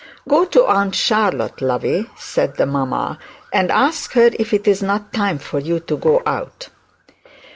'Go to Aunt Charlotte, lovey,' said the mamma, 'and ask her it if is not time for you to go out.'